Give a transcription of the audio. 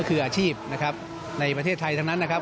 คืออาชีพนะครับในประเทศไทยทั้งนั้นนะครับ